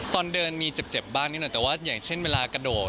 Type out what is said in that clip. ตอนเดินมีเจ็บบ้างนิดหน่อยแต่ว่าอย่างเช่นเวลากระโดด